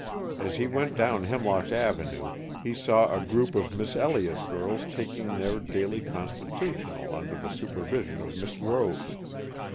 As he went down Hemlock Avenue he saw a group of Miss Elliott's girls taking their daily constitutional under the supervision of Miss Rose.